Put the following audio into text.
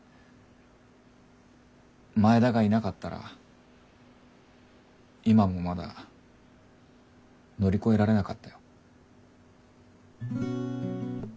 前田がいなかったら今もまだ乗り越えられなかったよ。